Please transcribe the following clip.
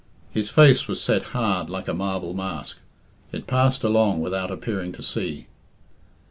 His face was set hard like a marble mask. It passed along without appearing to see.